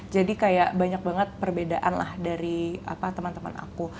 jadi kayak banyak banget perbedaan lah dari teman teman aku